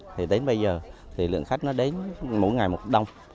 tới bây giờ lượng khách đến mỗi ngày một đông